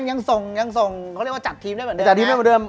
ยังส่งแค่เรียกว่าจัดทีมแบบนึง